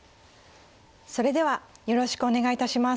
それではよろしくお願いいたします。